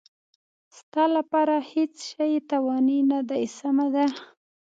ستا لپاره هېڅ شی تاواني نه دی، سمه ده.